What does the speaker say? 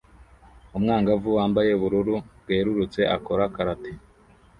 Umwangavu wambaye ubururu bwerurutse akora karate